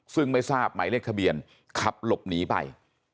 ซึ่งไม่ทราบหมายเลขทะเบียนขับหลบหนีไป